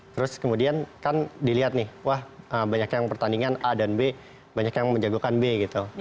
terus kemudian kan dilihat nih wah banyak yang pertandingan a dan b banyak yang menjagokan b gitu